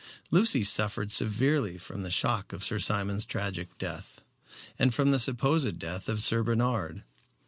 Lucy suffered severely from the shock of Sir Simon's tragic death, and from the supposed death of Sir Bernard.